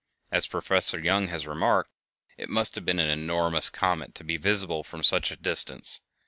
As Professor Young has remarked, "it must have been an enormous comet to be visible from such a distance."